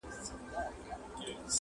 هره شېبه درس د قربانۍ لري-